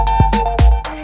kau mau kemana